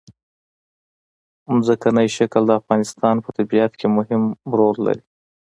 ځمکنی شکل د افغانستان په طبیعت کې مهم رول لري.